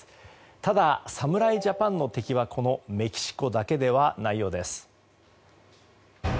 ただ、侍ジャパンの敵はこのメキシコだけではないようです。